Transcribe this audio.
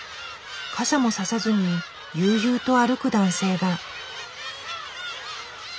傘も差さずに悠々と歩く男性が。